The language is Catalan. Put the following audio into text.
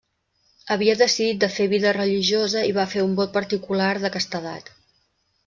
Havia decidit de fer vida religiosa i va fer un vot particular de castedat.